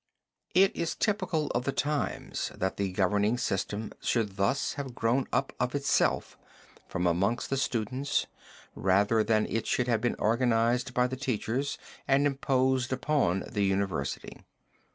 It is typical of the times that the governing system should thus have grown up of itself and from amongst the students, rather than that it should have been organized by the teachers and imposed upon the university.